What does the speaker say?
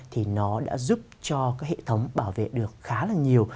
thì nó đã giúp cho cái hệ thống bảo vệ được khá là nhiều